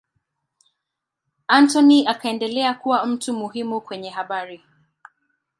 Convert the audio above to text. Anthony akaendelea kuwa mtu muhimu kwenye habari.